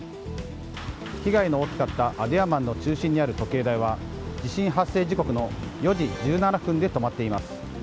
被害の大きかったアドゥヤマンの中心にある時計台は地震発生時刻の４時１７分で止まっています。